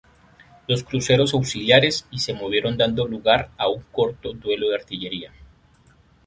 Los cruceros auxiliares y se movieron dando lugar a un corto duelo de artillería.